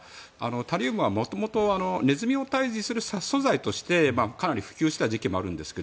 タリウムは元々ネズミを退治する殺鼠剤としてかなり普及してた時期もあるんですが